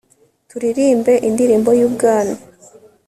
Turirimbe indirimbo y Ubwami